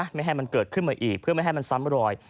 ไม่ให้มันเกิดขึ้นมาอีกเพื่อไม่ให้มันซ้ำรอย